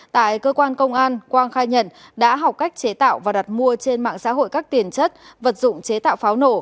tại cơ quan công an quang khai nhận đã học cách chế tạo và đặt mua trên mạng xã hội các tiền chất vật dụng chế tạo pháo nổ